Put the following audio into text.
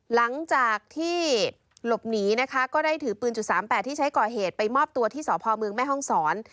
หลังจากที่หลบหนีนะคะก็ได้ถือปืนจุด๓๘ที่ใช้ก่อเหตุไปมอบตัวที่สพเมืองแม่ห้องศร